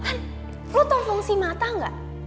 han lu tau fungsi mata gak